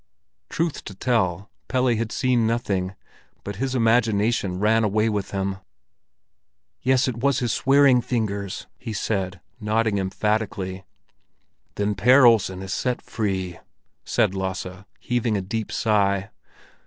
Truth to tell, Pelle had seen nothing, but his imagination ran away with him. "Yes, it was his swearing fingers," he said, nodding emphatically. "Then Per Olsen is set free," said Lasse, heaving a deep sigh.